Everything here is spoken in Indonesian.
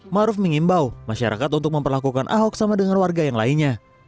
maruf mengimbau masyarakat untuk memperlakukan ahok sama dengan warga yang lainnya